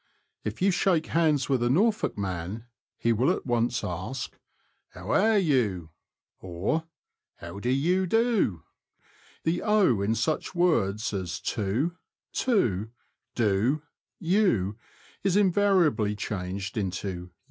If you shake hands with a Norfolk man, he will at once ask: "How airyu?" or "How du yu du ?" The in such words as two, to, do, you, is invariably changed into ii.